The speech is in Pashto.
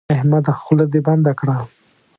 احمده خوله دې بنده کړه.